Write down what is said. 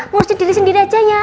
murcung diri sendiri aja ya